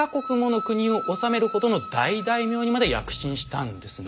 国を治めるほどの大大名にまで躍進したんですね。